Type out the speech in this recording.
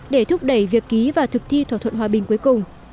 để thúc đẩy việc ký và thực thi thỏa thuận hòa bình cuối cùng